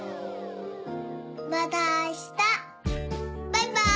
バイバーイ。